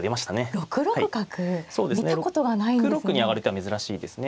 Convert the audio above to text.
６六に上がる手は珍しいですね。